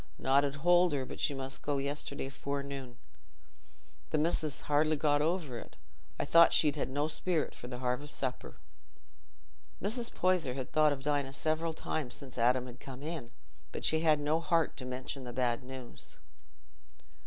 Nought 'ud hold her, but she must go yesterday forenoon. The missis has hardly got over it. I thought she'd ha' no sperrit for th' harvest supper." Mrs. Poyser had thought of Dinah several times since Adam had come in, but she had had "no heart" to mention the bad news.